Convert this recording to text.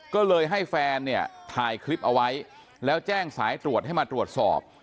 ก็เลยให้แฟนเนี่ยถ่ายคลิปเอาไว้แล้วแจ้งสายตรวจให้มาตรวจสอบ